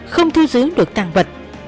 không thu giữ được tàng vật